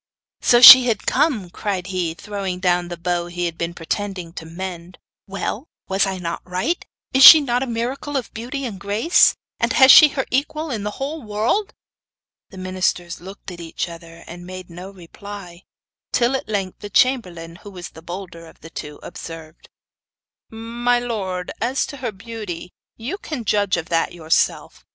'So she had come!' cried he, throwing down the bow he had been pretending to mend. 'Well, was I not right? Is she not a miracle of beauty and grace? And has she her equal in the whole world?' The ministers looked at each other, and made no reply; till at length the chamberlain, who was the bolder of the two, observed: 'My lord, as to her beauty, you can judge of that for yourself.